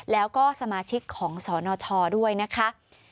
แล้วก็สมาชิกของสนชด้วยนะคะ